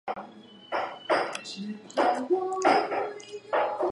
当然，没有人民支持，这些工作是难以做好的，我要为我们伟大的人民点赞。